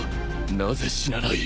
なぜ死なない！？